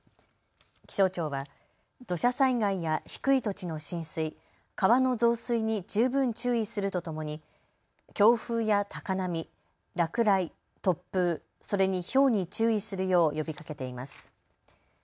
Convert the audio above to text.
気象庁は土砂災害や低い土地の浸水、川の増水に十分注意するとともに強風や高波、落雷、突風、それにひょうに注意するよう呼びかけています。